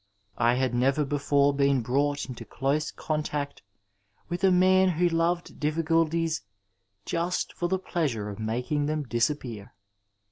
I had never before been brought into close contact with a man who loved difficulties just for the pleasure of making them disappear.